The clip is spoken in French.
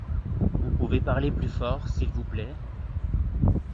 Vous pouvez parler plus fort s’il vous plait ?